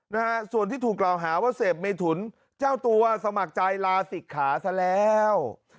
นะฮะส่วนที่ถูกกล่าวหาว่าเสพเมถุนเจ้าตัวสมัครใจลาศิกขาซะแล้ว